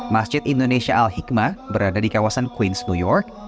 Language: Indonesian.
masjid indonesia al hikmah berada di kawasan queens new york